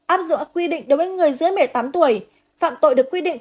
áp dụng quy định đối với người dưới một mươi tám tuổi phạm tội được quy định